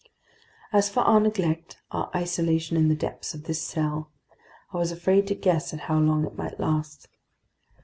As for our neglect, our isolation in the depths of this cell, I was afraid to guess at how long it might last.